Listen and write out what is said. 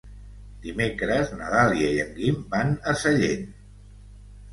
Dimecres na Dàlia i en Guim van a Sallent.